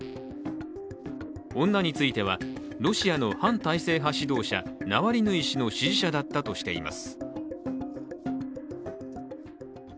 女については、ロシアの反体制派指導者ナワリヌイ氏の支持者だったとしています。